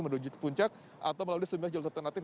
menuju puncak atau melalui sebuah jalur alternatif